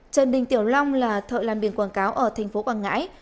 trần đình tiểu long là thợ làm biển quảng cáo ở tp quảng ngãi